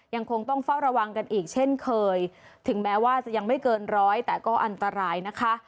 ยังคงต้องเฝ้าระวังกันอีกเช่นเคยถึงแม้ว่าจะยังไม่เกินร้อยแต่ก็อันตรายนะคะ